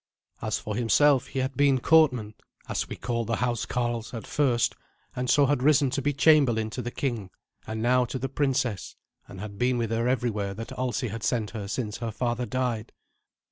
As for himself, he had been courtman, as we call the housecarls, at first, and so had risen to be chamberlain to the king, and now to the princess, and had been with her everywhere that Alsi had sent her since her father died.